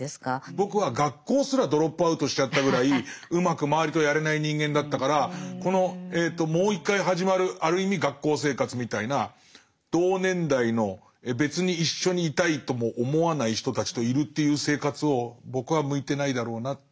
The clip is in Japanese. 僕は学校すらドロップアウトしちゃったぐらいうまく周りとやれない人間だったからこのもう一回始まるある意味学校生活みたいな同年代の別に一緒にいたいとも思わない人たちといるっていう生活を僕は向いてないだろうなって。